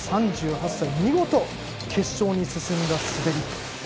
３８歳、見事決勝に進んだ滑り。